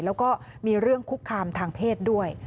แล้วก็มีเรื่องคุกคามทางเพศด้วย